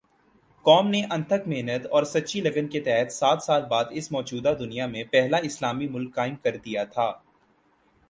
قوم نے انتھک محنت اور سچی لگن کے تحت سات سال بعد اس موجودہ دنیا میں پہلا اسلامی ملک قائم کردیا تھا